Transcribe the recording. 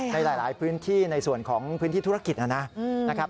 ในหลายพื้นที่ในส่วนของพื้นที่ธุรกิจนะครับ